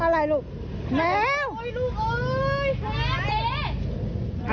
อะไรลูกแมวลูกเอ้ย